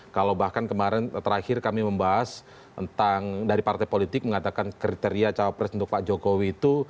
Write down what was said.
kalau bahkan kemarin terakhir kami membahas tentang dari partai politik mengatakan kriteria cawapres untuk pak jokowi itu